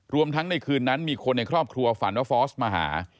ทั้งในคืนนั้นมีคนในครอบครัวฝันว่าฟอร์สมาหา